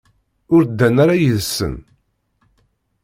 Ur ddan ara yid-sen.